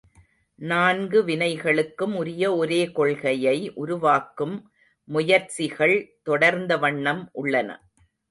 நான்கு வினைகளுக்கும் உரிய ஒரே கொள்கையை உருவாக்கும் முயற்சிகள் தொடர்ந்த வண்ணம் உள்ளன.